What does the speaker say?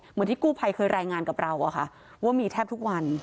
เหมือนที่กู้ภัยเคยรายงานกับเราอะค่ะว่ามีแทบทุกวัน